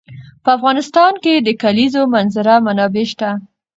په افغانستان کې د د کلیزو منظره منابع شته.